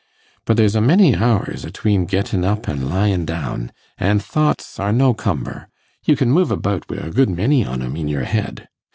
But there's a many hours atween getting up an' lyin' down, an' thoughts are no cumber; you can move about wi' a good many on 'em in your head.